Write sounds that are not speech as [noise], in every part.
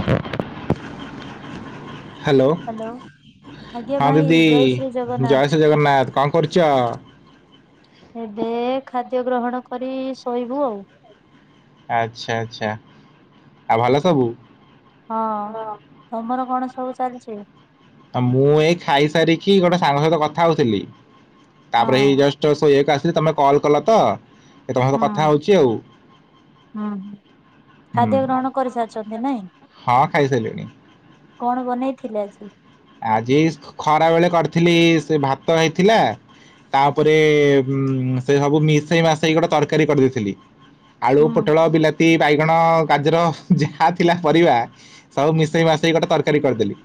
[inaudible] Hello ଆଜ୍ଞା ହଁ ଭାଇ ଦିଦି ଶ୍ରୀ ଜଗନ୍ନାଥ ଜୟ ଶ୍ରୀ ଜଗନ୍ନାଥ କଣ କରୁଛ? ଏବେ ଖାଦ୍ୟ ଗ୍ରହଣ କରି ଶୋଇବୁ ଅଉ। ଆଛା ଆଛା ଆଉ ଭଲ ସବୁ? ହଁ ତମର କଣ ସବୁ ଚାଲିଛି ମୁଁ ଏଇ ଖାଇସାରିକି ଗୋଟେ ସାଙ୍ଗ ସହିତ କଥା ହଉଥିଲି ହଁ ତାପରେ ଏଇ ଜଷ୍ଟ ଶୋଇଆକୁ ଆସିଲି ତମେ କଲ୍ କଲ ତ ଏ ତମ ସହ କଥା ହୁଁ ହେଉଛି ଆଉ। ହୁଁ [inaudible] ହୁଁ ଖାଦ୍ୟ ଗ୍ରହଣ କରିସାରିଛନ୍ତି ନାଇଁ ହଁ ଖାଇ ସାରିଲଣି। କଣ ବନେଇଥିଲେ ଆଜି? ଆଜି ଖରା ବେଳେ କରିଥିଲି ସେ ଭାତ ହେଇଥିଲା ତାପରେ ଉ ସେ ସବୁ ମିଶେଇ ମାସେଇ ଗୋଟେ ତରକାରୀ କରିଦେଇଥିଲି। ଆଳୁ ହୁଁ ପୋଟଳ ବିଲାତି ବାଇଗଣ ଗାଜର ଯାହା ଥିଲା ପରିବା ସବୁ ମିଶେଇ ମାସେଇ ଗୋଟେ ତରକାରୀ କରିଦେଲି।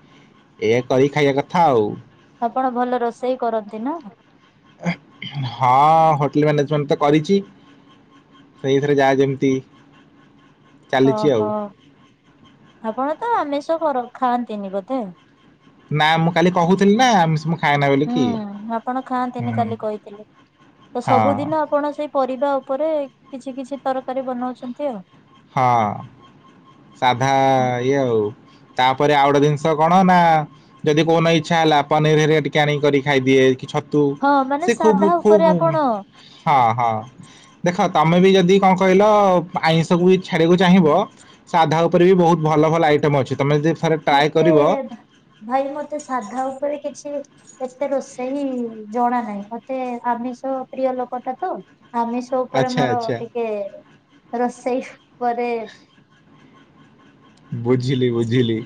ଏଇଆ କରି ଖାଇବା କଥା ଆଉ। ଆପଣ ଭଲ ରୋଷେଇ କରନ୍ତି ନା? ହଁ ହୋଟେଲ ମ୍ୟାନେଜମେଣ୍ଟ ତ କରିଛି ସେଇଥିରେ ଯାହା ଯେମିତି ଚାଲିଚି ଆଉ। ଓହୋ ଆପଣ ତ ଆମିଷ କର ଖାଆନ୍ତିନି ବୋଧେ? ନା ମୁଁ କାଲି କହୁଥିଲି ନା ଆମିଷ ମୁଁ ଖା ହୁଁ ଆପଣ ଖାଆନ୍ତିନି କାଲି କହିଥିଲେ ତ ହଁ ସବୁଦିନ ଆପଣ ସେଇ ପରିବା ଉପରେ କିଛି କିଛି ତରକାରୀ ବନାଉଛନ୍ତି ଆଉ। ହଁ ସାଧା ଇଏ ଆଉ ତାପରେ ଆଉ ଗୋଟେ ଜିନିଷ କଣ ନା ଯଦି କୋଉଦିନ ଇଚ୍ଛା ହେଲା ପନିରି ଅରିକା ଟିକେ ଆଣିକି ଖାଇଦିଏ, କିଛ ଛ ତୁ ହଁ ମାନେ ସେ ସାଧା ଖୁବ ଖୁବ ଉପରେ ହୁଏ ଆପଣ ହଁ ହଁ ଦେଖ ତମେ ବି ଯଦି କଣ କହିଲ ଆଇଁଷକୁ ବି ଛାଡିକକୁ ଚାହିଁବ ସାଧା ଉପରେ ବି ବହୁତ୍ ଭଲ ଭଲ ଆଇଟମ ଅଛି, ତମେ ଯଦି ଥରେ ଟ୍ରାଏ ମତେ କରିବ ଭାଇ ମତେ ସାଧା ଉପରେ କିଛି ଏତେ ରୋଷେଇ ଜଣା ନାହିଁ, ମତେ ଆମିଷ ପ୍ରିୟ ଲୋକଟା ତ ଆମିଷ ସ ଉପରେ ଆଚ୍ଛା ମୋର ଆଚ୍ଛା ଟିକେ ରୋଷେଇ ପରେ ବୁଝିଲି ବୁଝିଲି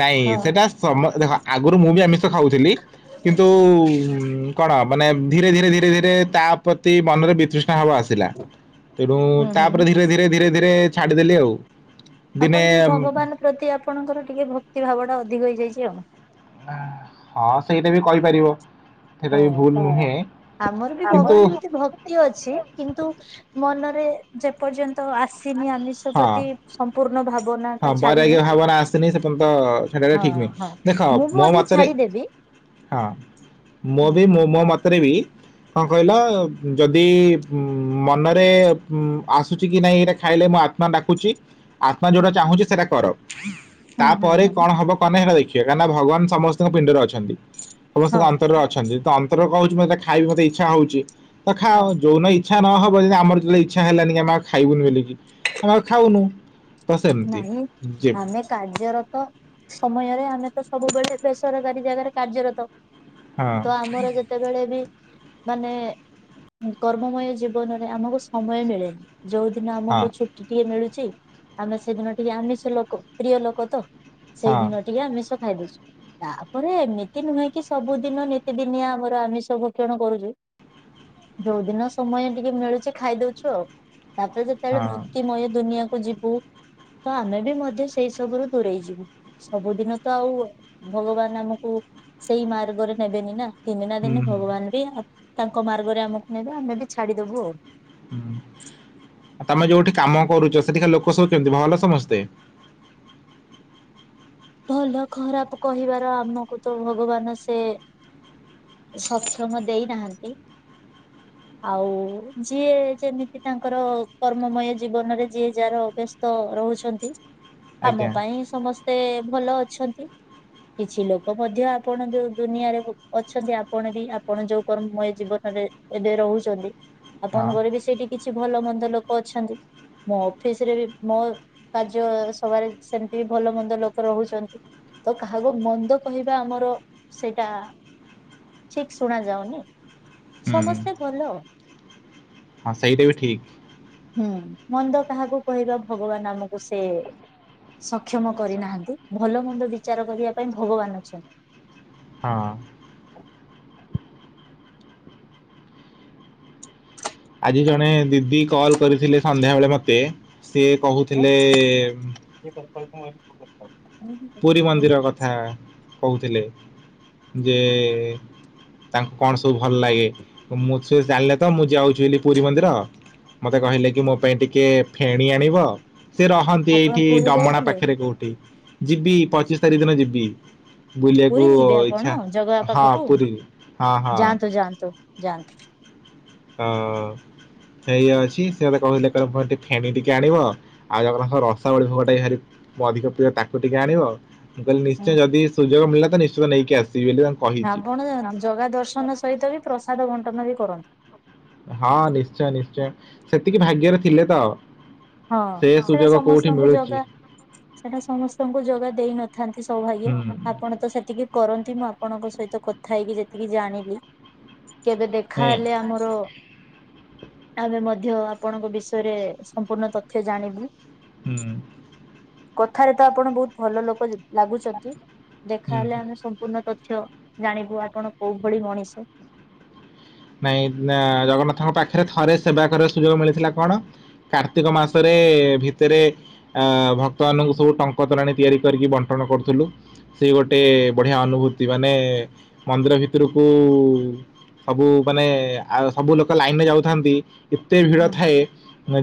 ନାଇଁ ହଁ ସେଟା ସମ ଦେଖ ଆଗରୁ ମୁଁ ବି ଆମିଷ ତ ଖାଉଥିଲି କିନ୍ତୁ କଣ ମାନେ ଧୀରେ ଧୀରେ ଧୀରେ ଧୀରେ ତା ପ୍ରତି ମନରେ ବିତୃଷ୍ଣା ଭାବ ଆସେ। ଥିଲା ତେଣୁ ହୁଁ ତାପରେ ହୁଁ ଧୀରେ ଧୀରେ ଧୀରେ ଧୀରେ ଛାଡିଦେଲି ଆଉ। ଦିନେ ଆପଣ ଟିକେ ଉଁ, ଭଗବାନ ପ୍ରତି ଆପଣଙ୍କର ଟିକେ ଭକ୍ତି ଭାବ ଟା ଅଧିକ ହେଇଯାଇଛି ଆଉ। ନାଁ ହଁ ସେଇଟା ବି କହିପାରିବ। ସେଟା ବି ହଁ ଭୁଲ ନୁହେଁ କିନ୍ତୁ ତୀୟ ଅଛି କିନ୍ତୁ ମନରେ ଯେପର୍ଯ୍ୟନ୍ତ ଆସିନି ଆମିଷ ହଁ ପ୍ରତି ସମ୍ପୂର୍ଣ୍ଣ ଭାବନା ଟା ଛାଡିିନି ସିନି ସେପର୍ଯ୍ୟନ୍ତ ସେଟା ତ ଠିକ ନୁହଁ ହଁ ଦେଖ ମୁଁ ମୋ ମଧ୍ୟ ମତରେ ଛାଡିଦେବି ହଁ ମୁଁ ହୁଁ ବି ମୁ ମୋ ମତରେ ବି କଣ କହିଲ ଯଦି ଉଁ ମନରେ ଉଁ ଆସୁଛି କି ନାଇଁ ଏଇଟା ଖାଇଲେ ମୋ ଆତ୍ମା ଡାକୁଛି ଆତ୍ମା ହୁଁ ଯୋଉଟା ଚାହୁଁଛି ସେଇଟା କର। ହୁଁ ହୁଁ ତାପରେ ହୁଁ କଣ ହବ କଣ ନାହିଁ ଦେଖିବା କାହିଁକିନା ଭଗବାନ ସମସ୍ତଙ୍କ ପିଣ୍ଡରେ ଅଛନ୍ତି, ସମସ୍ତଙ୍କ ହଁ ଅନ୍ତରରେ ଅ ଅଛନ୍ତି ତ ଅନ୍ତର କହୁଛି ମତେ ଖାଇବି ମତେ ଇଚ୍ଛା ହଉଛି ତ ଖା ହଁ ଯୋଉନ୍ ଇଁ ଇଚ୍ଛା ନ ହବ ଯେମିତି ଆମର ଯେତେବେଳେ ଇଚ୍ଛା ହେଲାନି ଆମେ ଆଉ ଖାଇବୁନି ବୋଲି କି। ଠେ। ଆମେ ଆଉ ଖାଉନୁ। ସେମିତି ନାଇଁ ଯେ ଆମେ କାର୍ଯ୍ୟରତ ସମୟରେ ଆମେ ତ ସବୁବେଳେ ବେସରକାରୀ ଜାଗାରେ କାର୍ଯ୍ୟରତ। ହଁ ତ ଆମର ଯେ ସେତେବେଳେ ବି ମାନେ କର୍ମମୟ ଜୀବନରେ ଆମକୁ ସମୟ ମିଳେନି। ଯୋଉ ଦିନ ହଁ। ଆମକୁ ଛୁଟି ଟିକେ ମିଳୁଛି ଆମେ ସେଦିନ ଟିକେ ଆମିଷ ଲୋକ ପ୍ରିୟ ଲୋକ ତ ହଁ ସେଇଦିନ ଟିକେ ଆମିଷ ଖାଇଦଉଛୁ। ତାପରେ ଏମିତି ନୁହେଁ କି ସବୁଦିନ ନିତିଦିନିଆ ଆମର ଆମିଷ ଭକ୍ଷଣ କରୁଛୁ। ଯୋଉଦିନ ସମୟ ଟିକେ ମିଳୁଛି ଖାଇଦଉଛୁ ଆଉ ତାପରେ ଯଦ୍ ସେତେବେଳେ ହଁ ଭକ୍ତିମୟ ଦୁନିଆକୁ ଯିବୁ ତ ଆମେ ବି ମଧ୍ୟ ସେଇ ସବୁୁରୁ ଦୂରେଇ ଯିବୁ। ସବୁଦିନ ତ ଆଉ ଭଗବାନ ଆମକୁ ସେଇ ମାର୍ଗରେ ନେବେନି ନା। ଦିନେ ନା ହୁଁ ଦିନେ ହୁଁ ଭଗବାନ ବି ତାଙ୍କ ମାର୍ଗରେ ଆମକୁ ନେବେ ଆମେ ବି ଛାଡିଦବୁ ଆଉ। ତମେ ଯୋଉଠି କାମ କରୁଛ ସେଠିକା ଲୋକ ସବୁ କେମିତି ଭଲ ସମସ୍ତେ? ଭଲ ଖରାପ କହିବାର ଆମକୁ ତ ଭଗବାନ ସେ ସକ୍ଷମ ଦେଇନାହାନ୍ତି। ଆଉ ଯିଏ ଯେମିତି ତାଙ୍କର କର୍ମମୟ ଜୀବନରେ ଯିଏ ଯାହାର ବେଶ୍ ସ୍ତ ରହୁଛନ୍ତି, ଆଜ୍ଞା ଆମ ପାଇଁ ସମସ୍ତେ ଭଲ ଅଛନ୍ତି। କିଛି ଲୋକ ମଧ୍ୟ ଆପଣ ଯୋଉ ଦୁନିଆରେ ଅଛନ୍ତି, ଆପଣ ବି ଆପଣ ଯୋଉ କର୍ମମୟ ଜୀବନରେ ଏବେ ରହୁଚନ୍ତି, ହଁ ଆପଣଙ୍କ ଘରେ ବି ସେଇଠି କିଛି ଭଲ ମନ୍ଦ ଲୋକ ଅଛନ୍ତି। ମୋ ଅଫିସ୍ ରେ ବି ମୋ କାର୍ଯ୍ୟ ସବାରେ ସେମ୍ତି ବି ଭଲ ମନ୍ଦ ଲୋକ୍ ରହୁଚନ୍ତି ତ କାହାକୁ ମନ୍ଦ କହିବା ଆମର ସେଇଟା ଠିକ୍ ଶୁଣା ଯାଉନି, ହୁଁ ସମସ୍ତେ ଭଲ ଆଉ। ହଁ ସେଇଟା ବି ଠିକ୍। ହୁଁ ମନ୍ଦ କାହାକୁ କହିବା, ଭଗବାନ୍ ଆମୁକୁ ସେ ସକ୍ଷମ କରିନାହାନ୍ତି, ଭଲମନ୍ଦ ବିଚାର କରିବା ପାଇଁ ଭଗବାନ୍ ଅଛନ୍ତି। ହଁ। ଆଜି ଜଣେ ଦିଦି କଲ୍ କରିଥିଲେ ସନ୍ଧ୍ୟାବେଳେ ମତେ, ସିଏ କହୁଥିଲେ [inaudible] ପୁରୀ ହଉଛି। ମନ୍ଦିର କଥା କହୁଥିଲେ, ଯେ ତାଙ୍କୁ କଣ ସବୁ ଭଲ୍ ଲାଗେ, ମୁଁ ସେ ଜାଣିଲେ ତ ମୁଁ ଯାଉଛି ବେଲି ପୁରୀ ମନ୍ଦିର। ମତେ କହିଲେ କି ମୋ ପାଇଁ ଟିକେ ଫେଣି ଆଣିବ। ସେ ରହନ୍ତି ଆପଣ ଏଇଠି ପୁରୀ ଡମଣା ଯାଇଥିଲେ? ପାଖେରେ କୋଉଠି, ଯିବି ପଚିଶ୍ ତାରିଖ ଦିନ ଯିବି। ପୁରୀ ବୁଲିଆକୁ ଯିବେ ଆପଣ ଇଛା, ଜଗା ହଁ ପାଖକୁ ପୁରୀ ହଁ-ହଁ [unintelligible] ଯାଆନ୍ତୁ। [unintelligible] ଅ ସେଇ ଅଛି, ସେ ମତେ କହୁଥିଲେ କହିଲେ ଫେଣି ଟିକେ ଆଣିବ। ଆଉ ଜଗନ୍ନାଥଙ୍କ ରସାବଳି ଭୋଗଟା ବି ଭାରି ଅଧିକ ପ୍ରିୟ ତାକୁ ଟିକେ ଆଣିବ। ମୁଁ କହିଲେ ନିଶ୍ଚୟ ଯଦି ସୁଯୋଗ ମିଳିଲା ତ ନିଶ୍ଚିନ୍ତ ନେଇକି ଆସିବି ବେଲି ତାଙ୍କୁ କହିଛି। ଆପଣ ଜଗା ଦର୍ଶନ ସହିତ ବି ପ୍ରସାଦ ବଣ୍ଟନ ବି କରନ୍ତି। ହଁ ନିଶ୍ଚୟ-ନିଶ୍ଚୟ, ସେତିକି ଭାଗ୍ୟରେ ଥିଲେ ତ। ହଁ ସେ ସେଟା ସୁଯୋଗ କୋଉଠି ସମସ୍ତଙ୍କୁ ମିଳୁଛି ଜଗା ସେଟା ସମସ୍ତଙ୍କୁ ଜଗା ଦେଇନଥାନ୍ତି ସୌଭାଗ୍ୟ। ହୁଁ ଆପଣ ତ ସେତିକି କରନ୍ତି, ମୁଁ ଆପଣଙ୍କ ସହିତ କଥା ହେଇକି ଯେତିକି ଜାଣିଲି, କେବେ ଦେ ଖା ନାଇଁ ହେଲେ ଆମର ଆମେ ମଧ୍ୟ ଆପଣଙ୍କ ବିଷୟରେ ସ ମ୍ପୂର୍ଣ୍ଣ ତଥ୍ୟ ଜାଣିବୁ। ହୁଁ। କଥାରେ ତ ଆପଣ ବହୁତ୍ ଭଲ ଲୋକ ଲାଗୁଚନ୍ତି, ହୁଁ। ଦେଖାହେଲେ ଆମେ ସମ୍ପୂର୍ଣ୍ଣ ତଥ୍ୟ ଜାଣିବୁ ଆପଣ କୋଉ ଭଳି ମଣିଷ। ନାଇଁ ଜଗନ୍ନାଥଙ୍କ ପାଖେରେ ଥରେ ସେବା କରିବାର ସୁଯୋଗ ମିଳିଥିଲା କଣ କାର୍ତ୍ତିକ ମାସରେ ଭିତେରେ ଆ ଭକ୍ତ ମାନଙ୍କୁ ସବୁ ଟଙ୍କ ତୋରାଣି ତିଆରି କରିକି ବଣ୍ଟନ କରୁଥିଲୁ। ସେ ଗୋଟେ ବଢ଼ିଆ ଅନୁଭୂତି ମାନେ ମନ୍ଦିର ଭିତୁରୁକୁ ସବୁ ମାନେ ଆ ସବୁ ଲୋକ ଲାଇନ୍ ରେ ଯାଉଥାନ୍ତି, ଏତେ ଭିଡ ଥାଏ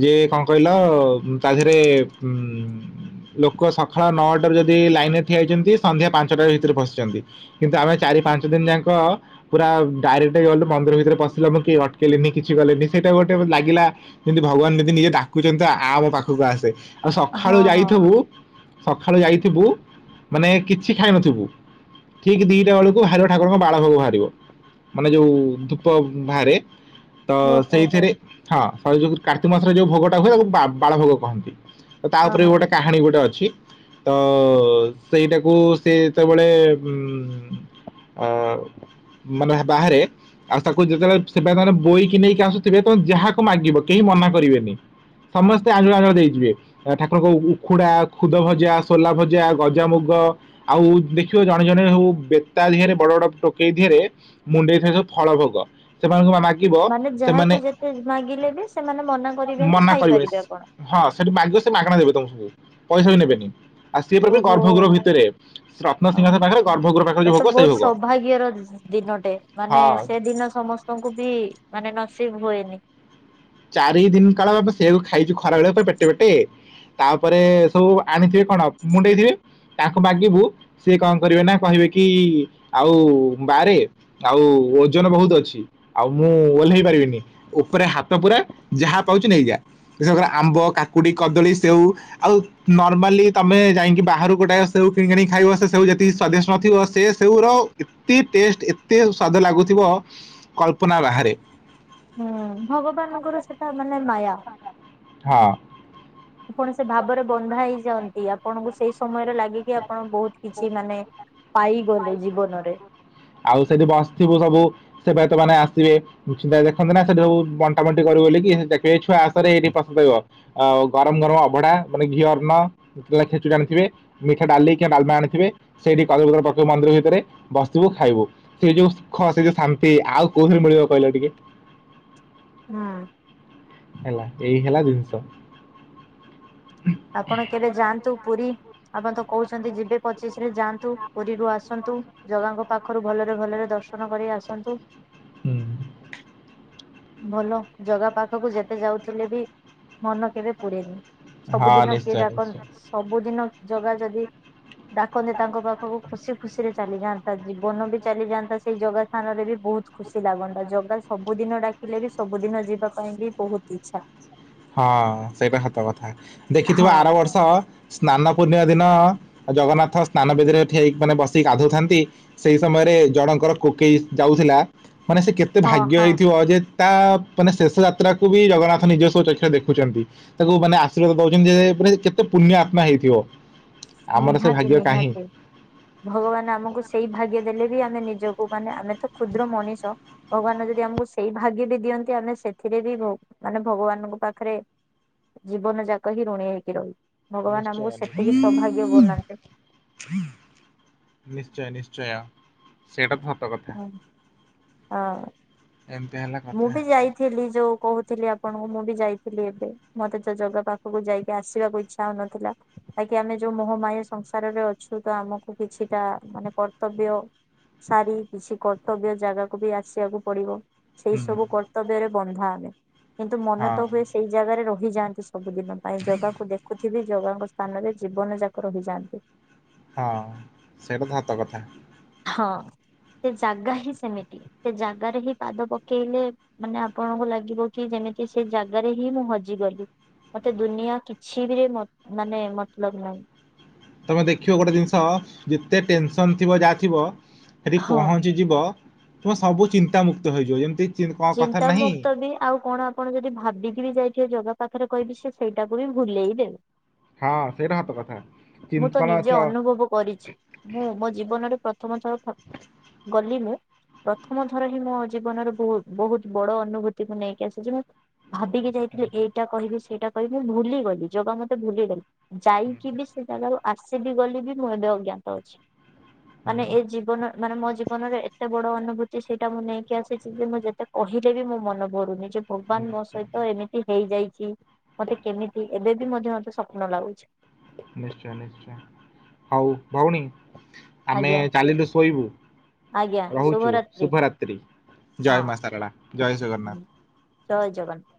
ଯେ କଣ କହିଲ ତା ଧେରେ ଉଁ ଲୋକ ସଖାଳ ନଅଟାରୁ ଯଦି ଲାଇନ୍ ରେ ଠିଆ ହେଇଚନ୍ତି, ସନ୍ଧ୍ୟା ପାଞ୍ଚଟାରେ ଭିତରେ ପସିଚନ୍ତି। କିନ୍ତୁ ଆମେ ଚାରି ପାଞ୍ଚ ଦିନ ଯାଙ୍କ ପୁରା ଡାଇରେକ୍ଟ ଗଲୁ ମନ୍ଦିର ଭିତେରେ ପଶିଲୁ ଆମକୁ କେହି ଅଟକେଇଲେନି କିଛି କଲେନି, ସେଇଟା ଗୋଟେ ମତେ ଲାଗିଲା ଯେନ୍ତି ଭଗବାନ୍ [unintelligible] ନିଜେ ଡାକୁଚନ୍ତି ଆ ମୋ ପାଖକୁ ଆସେ, ଆଉ ସଖାଳୁ ହଁ ହଁ ଯାଇଥବୁ ସଖାଳୁ ଯାଇଥିବୁ, ମାନେ କିଛି ଖାଇ ନଥିବୁ ଠିକ୍ ଦିଟା ବେଳୁକୁ ବାହାରିବ ଠାକୁରଙ୍କ ବାଳଭୋଗ ଭାରିବ, ମାନେ ଯୋଉ ଧୂପ ବାହାରେ, ତ ଓହୋ ହୋ ହଁ ସେଇଥେରେ ହଁ ହେଇ ଯୋଗୁ କାର୍ତିକ ମାସରେ ଯୋଉ ଭୋଗଟା ହୁଏ ତାକୁ ବା ବାଳ ଭୋଗ କହନ୍ତି। ତ ତା ଉପରେ ବି ହଁ ହଁ ଗୋଟେ କାହାଣୀ ଗୋଟେ ଅଛି। ତ ସେଇଟାକୁ ସେ ଯେତବେଳେ ଉ ଅ ମାନେ ବାହାରେ। ଆଉ ତାକୁ ଯେତେବେଳେ ସେ ପାଇକ ମାନେ ବୋହିକି ନେଇକି ଆସୁଥିବେ ତମେ ଯାହାକୁ ମାଗିବ କେହି ମନା କରିବେନି। ସମସ୍ତେ ଆଞ୍ଜୁଳା ଆଞ୍ଜୁଳା ଦେଇଯିବେ। ଠାକୁରଙ୍କ ଉଖୁଡା ଖୁଦ ଭଜା ସୋଲା ଭଜା ଗଜାମୁଗ। ଆଉ ଦେଖିବ ଜଣେ ଜଣେ ସବୁ ବେତା ଦିହେରେ ବଡ ବଡ ଟୋକେଇ ଦିହେରେ ମୁଣ୍ଡେଇ ଥିବେ ସବୁ। ଫଳ ଭୋଗ ସେମାନଙ୍କୁ ମା ମା ମାନେ ଯାହାକୁ ଯେତେ ମାଗିଲେ ବି ସେମାନେ ମନା କରିବେନି ମନା କରିବେନି ଖାଇପାରିବେ ଆପଣ। ହଁ ସେଠି ମାଗିବ ସେ ମାଗଣା ଦେବେ ତମୁକୁ ପଇସା ବି ନେବେନି। ଆଉ ସିଏ ପୁରାପୁରି ଓହୋ। ଗର୍ଭଗୃହ ଭିତରେ ରତ୍ନସିଂହାସ ପାଖରେ ଗର୍ଭଗୃହ ପାଖରେ ଯୋଉ ଭୋଗ ସେଇ ଭୋଗ। ଦିଅର ଦି ଦି ଦିନଟେ ମାନେ ହଁ ସେଦିନ ସମସ୍ତଙ୍କୁ ବି ମାନେ ନସିିବ୍ ହୁଏନି। ଚାରି ଦିନ୍ କାଳ ଆମ ସେଇଆକୁ ଖାଇଚୁ ଖରା ବେଳେ ପୁରା ପେଟେ ପେଟେ। ତାପରେ ସବୁ ଆଣିଥିବେ କଣ ମୁଣ୍ଡେଇଥିବେ। ତାଙ୍କୁ ମାଗିବୁ ସିଏ କଣ କରିବେ ନା କହିବେ କି ଆଉ ବାରେ। ଆଉ ଓଜନ ବହୁତୁ ଅଛି ଆଉ ମୁଁ ଓହ୍ଲେଇ ପାରିବିନି ଉପରେ ହା ତ ପୁରା ଯାହା ପାଉଚୁ ନେଇଯା ବିଶ୍ୱାସ କର ଆମ୍ବ କାକୁଡି କଦଳୀ ସେଉ। ଆଉ ନର୍ମାଲି ତମେ ଯାଇଁକି ବାହାରୁ ଗୋଟାଏ ସେଉ କିଣିକି ଆଣିକି ଖାଇବ ସେ ସେଉ ଯେତିକି ସ୍ଵାଦିଷ୍ଟ୍ ନଥିବ ସେ ସେଉ ର ଏତେ ଟେଷ୍ଟ ଏତେ ସ୍ଵାଦ ଲାଗୁଥିବ କଳ୍ପନା ବାହାରେ। ହୁଁ ଭଗବାନଙ୍କର ସେଟା ମାନେ ମାୟା। ହଁ। ଆପଣ ସେ ଭାବରେ ବନ୍ଧା ହେଇଯାଆନ୍ତି ଆପଣଙ୍କୁ ସେଇ ସମୟରେ ଲାଗେକି ଆପଣ ବହୁତ୍ କିଛି ମାନେ। ପାଇଗଲେ ଜୀବନରେ। ଆଉ ସେଠି ବସଥିବୁ ସବୁ। ସେବାୟକ ମାନେ ଆସିବେ ନିଶ୍ଚିନ୍ତା ଦେଖନ୍ନ୍ତି ନା ସେଠେ ଯୋଉ ବଣ୍ଟା ବଣ୍ଟି କରୁ ବୋଲିକି [unintelligible] ଦେ ଏ ଛୁଆ ଆସରେ ଏଇଠି ପ୍ରସାଦ କରିବ ଆଉ ଗରମ୍ ଗରମ୍ ଅଭଢା ମାନେ ଘିଅ ଅର୍ଣ୍ଣ। ଖେଚୁଡା ଖେଚୁଡ଼ି ଅଣିଥିବେ। ମିଠା ଡାଲି କିମ୍ବା ଡାଲ୍ମା ଆଣିଥିବେ ସେଇଠି କଦଳିପତର ପକେଇବୁ ମନ୍ଦିର ଭିତେରେ ବସ୍ଥିବୁ ଖାଇବୁ। ସେ ଯୋଉ ସୁଖ ସେ ଯୋଉ ଶାନ୍ତି ଆଉ କୋଉଥିରେ ମିଳିବ କହିଲ ଟିକେ। ହୁଁ। ହେଲା ଏଇ ହେଲା ଜିନଷ। ଆପଣ କେବେ ଯାଆନ୍ତୁ ପୁରୀ। ଆପଣ ତ କହୁଛନ୍ତି ଯିବେ ପଚିଶ ରେ ଯାଆନ୍ତୁ ପୁରୀରୁୁ ଆସନ୍ତୁ। ଜଗାଙ୍କ ପାଖରୁ ଭଲରେ ଭଲରେ ଦର୍ଶନ କରି ଆସନ୍ତୁ। ହୁଁ। ଭଲ ଜଗା ପାଖକୁ ଯେତେ ଯାଉଥିଲେ ବି ମନ କେବେ ପୁରେନି। ହଁ ସବୁଦିନ କିଏ ନିଶ୍ଚୟ ଡାକନ୍। ନିଶ୍ଚୟ ସବୁଦିନ ଜଗା ଯଦି ଡାକନ୍ତି ତାଙ୍କ ପାଖକୁ ଖୁସି ଖୁସିରେ ଚାଲିଯାନ୍ତା ଜୀବନ ବି ଚାଲିଯାନ୍ତା ସେଇ ଜଗା ସ୍ଥାନରେ ବି ବହୁତ୍ ଖୁସି ଲାଗନ୍ତା ଜଗା ସବୁଦିନ ଡା କିଲେ ବି ସବୁଦିନ ଯିବା ପାଇଁ ବି ବହୁତ ଇଛା। ହଁ ସେଇଟା ସତ କଥା ଦେଖିଥିବ ହଁ ଆର ବର୍ଷ। ସ୍ନାନ ପୂର୍ଣ୍ଣିମା ଦିନ ଜଗନ୍ନାଥ ସ୍ନାନ ବେଦିରେ ଠିଆ ହେଇକ୍ ମାନେ ବସିକି ଗାଧଉଥାନ୍ତି। ସେଇ ସମୟରେ ଜଣଙ୍କର କୋକେଇ ଯାଉଥିଲା ମାନେ ସେ କେ ତେ ହଁ ଭାଗ୍ୟ ହଁ ହେଇଥିବ ଯେ ତା ମାନେ ଶେଷ ଯାତ୍ରାକୁୁ ବି ଜଗନ୍ନାଥ ନିଜସ୍ୱ ଚ ଦେଖୁଛନ୍ତି ତାକୁ ମାନେ ଆଶୀର୍ବାଦ ଦଉଛନ୍ତି ଯେ ମାନ କେତେ ପୁଣ୍ୟ ଆତ୍ମା ହେଇଥିବ। ଆମର ସେ ନିହାତି ଭାଗ୍ୟ କାହିଁ? ନିହାତି ଭଗବାନ ଆମକୁ ସେଇ ଭାଗ୍ୟ ଦେଲେ ବି ଆମେ ନିଜକୁ ମାନେ ଆମେ ତ କ୍ଷୁଦ୍ର ମଣିଷ ଭଗବାନ ଯଦି ଆମକୁ ସେଇ ଭାଗ୍ୟ ବି ଦିଅନ୍ତି ଆମେ ସେଥିରେ ବି ଭ ମାନେ ଭଗବାନଙ୍କ ପାଖରେ ଜୀବନ ଯାକ ହି ଋଣୀ ହେଇକି ରହିବୁ ଭଗବାନ ନିଶ୍ଚୟ ଆମକୁ ସେତିକି ନିଶ୍ଚୟ ସୌଭାଗ୍ୟ ବନାନ୍ତେ ନିଶ୍ଚୟ ନିଶ୍ଚୟ। ସେଇଟା ତ ହତ କଥା। ହଁ ଏମିତି ହେଲା ମୁଁ କଥା ବି ଯାଇ ଥିଲି ଯୋଉ କହୁଥିଲି ଆପଣଙ୍କୁ ମୁଁ ବି ଯାଇଥିଲି ଏବେ ମତେ ଯୋଉ ଜାଗା ପାଖକୁ ଯାଇକି ଆସିବାକୁ ଇଚ୍ଛା ଚାହୁନଥିଲା। ବାକି ଆମେ ଯୋଉ ମୋହମାୟ ସଂସାରରେ ଅଛୁ ତ ଆମକୁ କିଛିଟା ମାନେ କର୍ତ୍ତବ୍ୟ ସାରି କିଛି କର୍ତ୍ତବ୍ୟ ଜାଗାକୁ ବି ଆସିବାକୁ ପଡ଼ିବ। ସେଇ ହୁଁ ସବୁ କର୍ତ୍ତବ୍ୟରେ ବନ୍ଧା ଆମେ କିନ୍ତୁ ମନ ହଁ ତ ହୁଏ ସେଇ ଜାଗାରେ ରହିଯାଆନ୍ତି। ସବୁ ଦିନ ପାଇଁ ଜଗାକୁ ଦେଖୁଥିବି ଜଗାଙ୍କ ସ୍ଥାନରେ ଜୀବନ ଯାକ ରହିଯାଆନ୍ତି। ହଁ ସେଇଟା ତ ସତ କଥା। ହଁ ସେ ଜାଗା ହିଁ ସେମିତି ସେ ଜାଗାରେ ହିଁ ପାଦ ପକେଇଲେ ମାନେ ଆପଣଙ୍କୁ ଲାଗିବ କି ଯେମିତି ସେ ଜାଗାରେ ହିଁ ମୁଁ ହଜିଗଲି। ମତେ ଦୁନିଆ କିଛି ବି ରେ ମ ମାନେ ମତଲଵ୍ ନାହିଁ। ତମେ ଦେଖିବ ଗୋଟେ ଜିନିଷ ଯେତେ ଟେନସନ୍ ଥିବ ଯାହା ଥିବ ସେଠି ହଁ। ପହ ଞ୍ଚିଯିବ ତୁମେ ସବୁ ଚିନ୍ତା ମୁୁକ୍ତ ହେଇଯିବ ଯେମତି ଚିନ୍ତାମୁକ୍ତ ବି ଆଉ କଣ ଆପଣ ଯଦି ଭାବିକି ବି ଯାଇଥିବେ ଜଗା ପାଖରେ କହିବି ସେ ସେଇଟାକୁ ବି ଭୁଲେଇ ଦେବେ ହଁ ସେଇଟା ସତ କଥା। ମୁଁ ଚିନ୍ତ ତ କଣ ନିଜେ ଚ ହୁଁ ଅନୁଭବ କରିଛି ମୁଁ ମୋ ଜୀବନରେ ପ୍ରଥମ ଥର ଫ ଗଲି ମୁଁ ପ୍ରଥମ ଥର ହିଁ ମୋ ଜୀବନରେ ବହୁ ବହୁତ ବଡ଼ ଅନୁଭୂତିକୁ ନେଇକି ଆସିଛି ମୁଁ ଭାବିକି ଯାଇଥିଲି ଏଇଟା କହିବି ସେଇଟା କହିବି ମୁଁ ଭୁଲିଗଲି ଜଗା ମତେ ଭୁଲେଇ ଦେଲା। ଯାଇକି ବିସ୍ ସେ ଜାଗାରୁ ଆସିବି ଗଲି ବି ମୁଁ ଏବେ ଅଜ୍ଞାତ ଅଛି ମାନେ ଏ ଜୀବନ ମାନେ ମୋ ଜୀବନରେ ଏତେ ବଡ଼ ଅନୁଭୂତି ସେଇଟା ମୁଁ ନେଇକି ଆସିଛି ଯେ ମୁଁ ଯେତେ କହିଲେ ବି ମୋ ମନ ଭରୁନି ଯେ ଭଗବାନ ମୋ ନିଶ୍ଚୟ ସହିତ ଏମିତି ହେଇଯାଇଛି ମତେ କେମିତି ଏବେ ବି ମଧ୍ୟ ମତେ ସ୍ୱପ୍ନ ଲାଗୁଛି। ନିଶ୍ଚୟ ନିଶ୍ଚୟ ହଉ ଭଉଣୀ ଆମେ ଆଜ୍ଞା ଚାଲିଲୁ ଶୋଇବୁ ରହୁଛୁ ଶୁଭରାତ୍ରି ହଁ ଜୟ ମା ସାରଳା ଜୟ ଜଗନ୍ନାଥ। ଜୟ ଜଗନ୍ନା